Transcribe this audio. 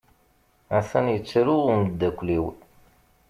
Atan yettru umdakel-iw.